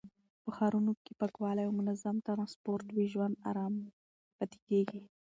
په ښارونو کې چې پاکوالی او منظم ټرانسپورټ وي، ژوند آرام پاتې کېږي.